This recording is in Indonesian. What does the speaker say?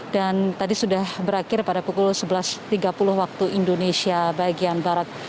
dan tadi sudah berakhir pada pukul sebelas tiga puluh waktu indonesia bagian barat